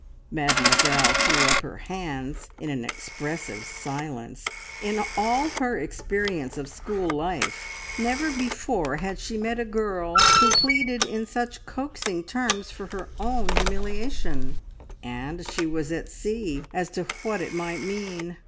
Mademoiselle threw up her bands in an expressive silence. In all her experience of school life never before had she met a girl who pleaded in such coaxing terms for her own humiliation, and she was at sea as to what it might mean.